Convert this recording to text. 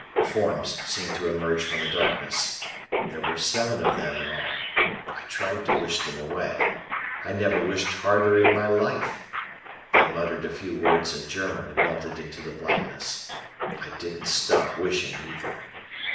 Forms seemed to emerge from the darkness. There were seven of them in all. I tried to wish them away. I never wished harder in my life. They muttered a few words in German and melted into the blackness. I didn't stop wishing either.